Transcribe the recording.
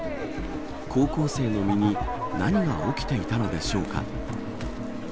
高校生の身に何が起きていたのでしょうか。